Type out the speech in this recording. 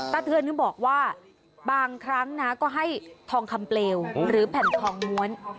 เตือนบอกว่าบางครั้งนะก็ให้ทองคำเปลวหรือแผ่นทองม้วน